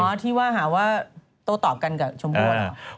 คุณว่าหาว่าโตตอบกันกับชมพูดเหรอ